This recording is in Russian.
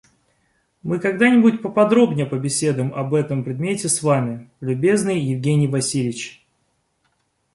Мы когда-нибудь поподробнее побеседуем об этом предмете с вами, любезный Евгений Васильич.